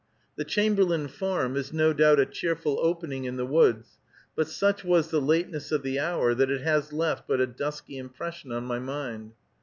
The Chamberlain Farm is no doubt a cheerful opening in the woods, but such was the lateness of the hour that it has left but a dusky impression on my mind.